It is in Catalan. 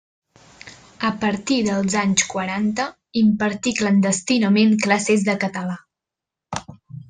A partir dels anys quaranta impartí clandestinament classes de català.